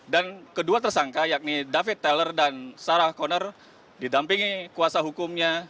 dan kedua tersangka yakni david teller dan sarah connor didampingi kuasa hukumnya